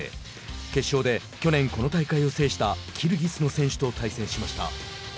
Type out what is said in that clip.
決勝で、去年、この大会を制したキルギスの選手と対戦しました。